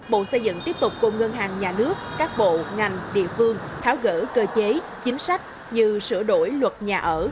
bộ xây dựng tiếp tục cùng ngân hàng nhà nước các bộ ngành địa phương tháo gỡ cơ chế chính sách như sửa đổi luật nhà ở